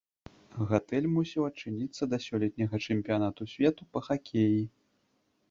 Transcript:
Гатэль мусіў адчыніцца да сёлетняга чэмпіянату свету па хакеі.